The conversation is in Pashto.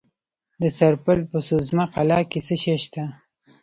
د سرپل په سوزمه قلعه کې څه شی شته؟